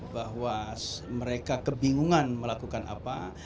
bahwa mereka kebingungan melakukan apa